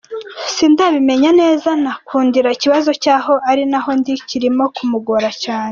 Sindabimenya neza nankundira ikibazo cy’aho ari n’aho ndi kirimo kumugora cyane.